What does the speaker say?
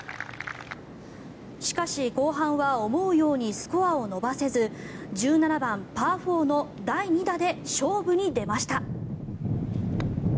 しかし後半は思うようにスコアを伸ばせず１７番、パー４の第２打で勝負に出ました。